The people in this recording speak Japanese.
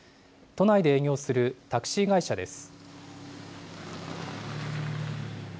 都内で営業するタクシー会社です。